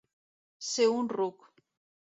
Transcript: Ser un ruc.